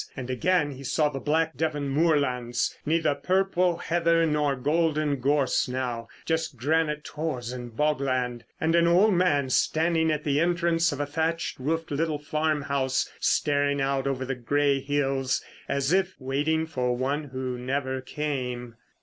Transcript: And again he saw the black Devon moorlands, neither purple heather nor golden gorse now, just granite tors and bogland; and an old man standing at the entrance of a thatched roofed little farmhouse staring out over the grey hills—as if waiting for one who never came.